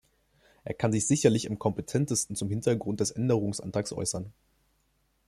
Er kann sich sicherlich am kompetentesten zum Hintergrund des Änderungsantrags äußern.